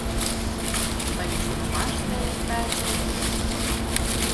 Мыйын шонымаште, таче...